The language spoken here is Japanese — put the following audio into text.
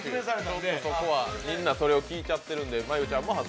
みんなそれを聞いちゃってるんで。